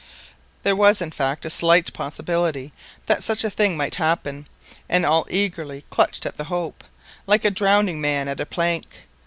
There was, in fact, a slight possibility that such a thing might happen, and all eagerly clutched at the hope, like a drowning man at a plank.